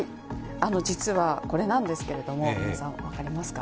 実はこれなんですけれども皆さん、分かりますか？